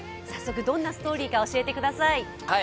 早速、どんなストーリーか教えてください。